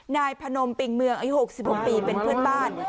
นายพนมปิงเมืองอายุ๖๖ปีเป็นเพื่อนบ้าน